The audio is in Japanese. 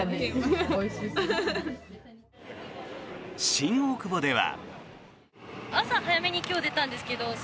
新大久保では。